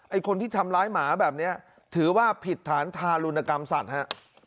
คนที่ทำร้ายหมาแบบนี้ถือว่าผิดฐานทารุณกรรมสัตว์ฮะ